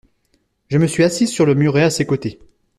Je me suis assise sur le muret à ses côtés.